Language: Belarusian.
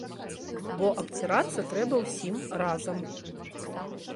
Бо абцірацца трэба ўсім разам.